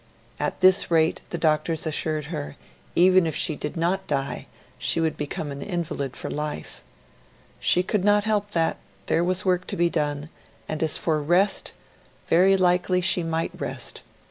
At this rate, the doctors assured her, even if she did not die, she would, become an invalid for life. She could not help that; there was the work to be done; and, as for rest, very likely she might rest